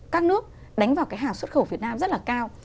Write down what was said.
các nước đánh vào cái hàng xuất khẩu việt nam rất là cao